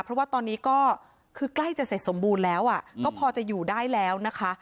เพราะว่าตอนนี้ก็คือใกล้จะเสร็จสมบูรณ์แล้วก็พอจะอยู่ได้แล้วนะคะ